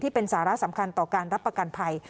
เป็นสาระสำคัญต่อการรับประกันภัย